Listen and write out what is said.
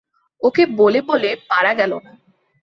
ওকে বলে বলে পারা গেল না।